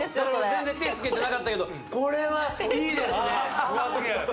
全然手つけてなかったけどこれはいいですね